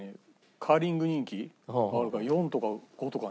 カーリング人気あるから４とか５とか。